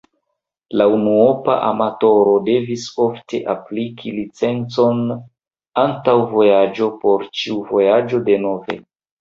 La unuopa amatoro devis ofte apliki licencon antaŭ vojaĝo, por ĉiu vojaĝo denove.